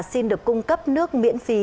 xin được cung cấp nước miễn phí